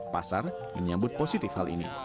pasar menyambut positif hal ini